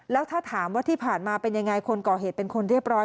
แล้วถ้าถามว่าที่ผ่านมาเป็นยังไงคนก่อเหตุเป็นคนเรียบร้อย